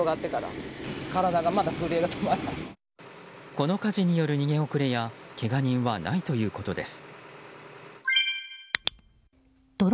この火事による逃げ遅れやけが人はないということです。